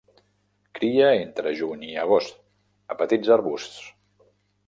Cria entre juny i agost, a petits arbusts.